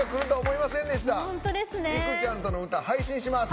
いくちゃんとの歌、配信します。